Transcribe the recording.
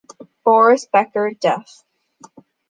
Boris Becker def.